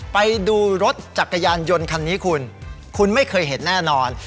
ไปดูรถจักรยานยนต์คันนี้คุณคุณไม่เคยเห็นแน่นอน